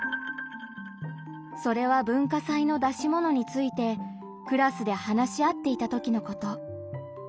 それは文化祭の出し物についてクラスで話し合っていた時のこと。